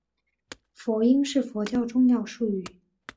佛音是佛教重要术语。